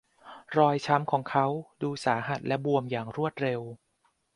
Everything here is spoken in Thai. รอยช้ำของเขาดูสาหัสและบวมอย่างรวดเร็ว